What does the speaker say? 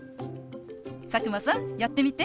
佐久間さんやってみて。